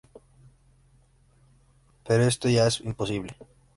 Pero esto es ya imposible.